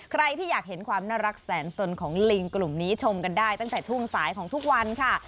ใครที่อยากเห็นความน่ารักแสนสนของลิงกลุ่มนี้ชมกันได้ตั้งแต่ช่วงสายของทุกวันค่ะ